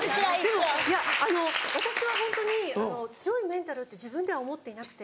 でもいやあの私はホントに強いメンタルって自分では思っていなくて。